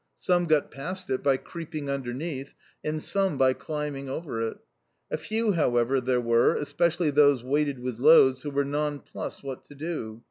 Some got past it by creeping underneath, and some by climbing over it. A few, however, there were (especially those weighted with loads) who were nonplussed what to do.